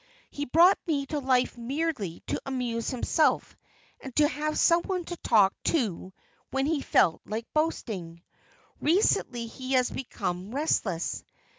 He brought me to life merely to amuse himself and to have someone to talk to when he felt like boasting. Recently he has become restless.